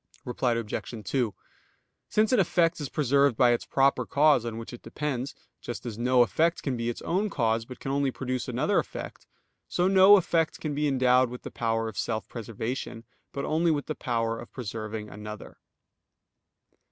Reply Obj. 2: Since an effect is preserved by its proper cause on which it depends; just as no effect can be its own cause, but can only produce another effect, so no effect can be endowed with the power of self preservation, but only with the power of preserving another.